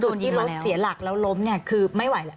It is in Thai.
ส่วนที่รถเสียหลักแล้วล้มเนี่ยคือไม่ไหวแล้ว